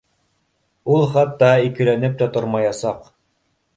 Ул хатта икеләнеп тә тормаясаҡ